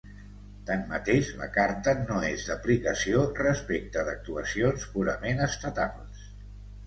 Tanmateix, la Carta no és d'aplicació respecte d'actuacions purament estatals.